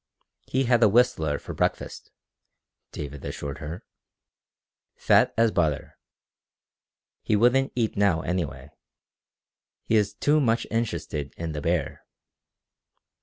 "He had a whistler for breakfast," David assured her. "Fat as butter. He wouldn't eat now anyway. He is too much interested in the bear."